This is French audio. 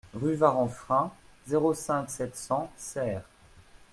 Rue Varanfrain, zéro cinq, sept cents Serres